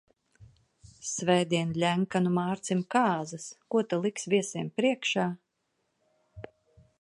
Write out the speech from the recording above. Svētdien Ļenkanu Mārcim kāzas, ko ta liks viesiem priekšā?